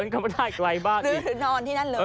เดินก็ไม่ได้ไกลมากอีกซึ่งนอนที่นั่นหรือ